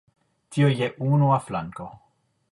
Tio je unua flanko.